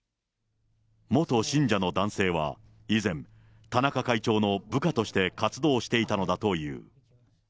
元信者の男性は、以前、田中会長の部下として活動していたのだという。